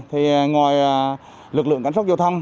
thì ngoài lực lượng cảnh sát giao thông